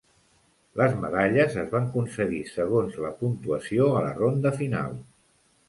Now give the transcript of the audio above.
Les medalles es van concedir segons la puntuació a la ronda final.